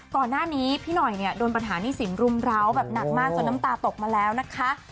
ก่อนหน้านี้พี่หน่อยเนี่ยโดนปัญหาหนี้สินรุมร้าวแบบหนักมากจนน้ำตาตกมาแล้วนะคะ